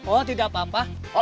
oh tidak apa apa